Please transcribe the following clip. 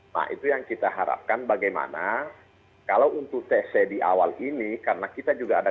nah itu yang kita harapkan bagaimana kalau untuk tc di awal ini karena kita juga ada